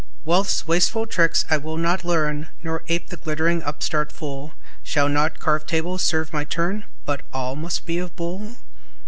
Wealth's wasteful tricks I will not learn, Nor ape the glittering upstart fool; Shall not carved tables serve my turn, But all must be of buhl?